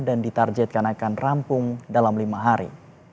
dan ditarjetkan akan rampung dalam lima hari